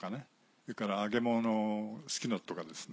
それから揚げ物とかですね